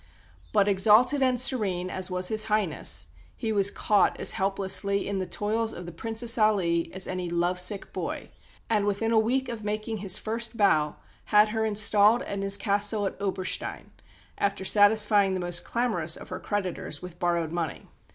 But exalted and serene as was His Highness, he was caught as helplessly in the toils of the Princess Aly as any lovesick boy; and within a week of making his first bow had her installed in his Castle of Oberstein, after satisfying the most clamorous of her creditors with borrowed money.